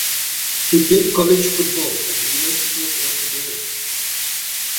He played college football at the University of Notre Dame.